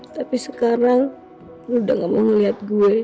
tapi sekarang udah gak mau ngeliat gue